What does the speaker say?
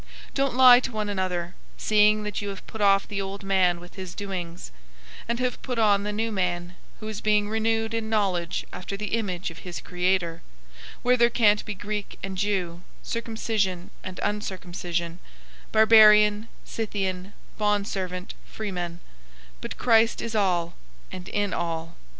003:009 Don't lie to one another, seeing that you have put off the old man with his doings, 003:010 and have put on the new man, who is being renewed in knowledge after the image of his Creator, 003:011 where there can't be Greek and Jew, circumcision and uncircumcision, barbarian, Scythian, bondservant, freeman; but Christ is all, and in all.